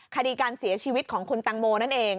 คดีการเสียชีวิตของคุณตังโมนั่นเอง